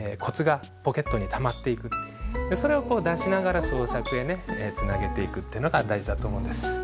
それをこう出しながら創作へつなげていくというのが大事だと思うんです。